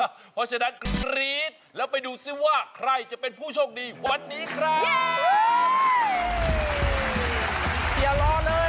เพราะฉะนั้นกรี๊ดแล้วไปดูซิว่าใครจะเป็นผู้โชคดีวันนี้ครับ